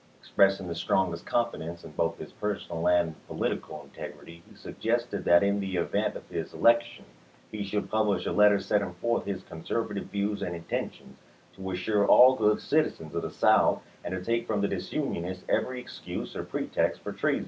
Expressing the " strongest " confidence in both his " personal and political integrity," he Oft. 278 ABKAHAM LINCOLN ch. xviii. suggested that in the event of his election he should publish a letter setting forth his conservative views and intentions, " to assure all good citizens of the PrJtaS>M,t0 South and to take from the disunionists every ex Ms. * cuse or pretext for treason."